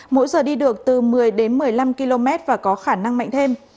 mỗi giờ đi được từ một mươi một mươi năm km và có khả năng mạnh thêm